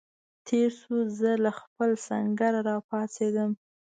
تېر شو، زه له خپل سنګره را پاڅېدم.